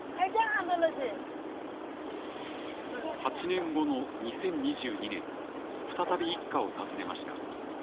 ８年後の２０２２年再び一家を訪ねました。